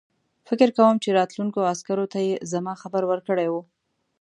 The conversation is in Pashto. فکر کوم چې راتلونکو عسکرو ته یې زما خبر ورکړی وو.